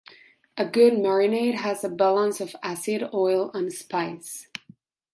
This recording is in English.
A good marinade has a balance of acid, oil, and spice.